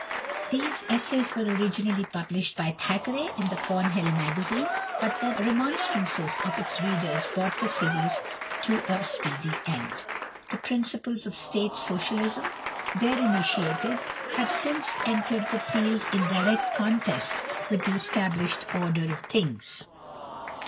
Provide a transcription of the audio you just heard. These essays were originally published by Thackeray in the Cornhill Magazine, but the remonstrances of its readers brought the series to a speedy end. The principles of state socialism there initiated have since entered the field in direct contest with the established order of things.